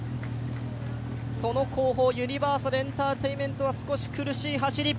その後方、ユニバーサルエンターテインメントは少し苦しい走り。